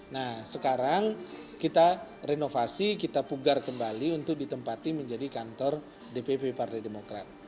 nah sekarang kita renovasi kita pugar kembali untuk ditempati menjadi kantor dpp partai demokrat